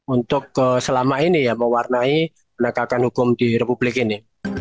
untuk selama ini ya mewarnai penegakan hukum di republik ini